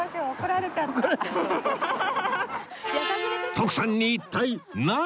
徳さんに一体何が？